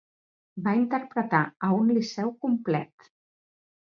Va interpretar a un liceu complet.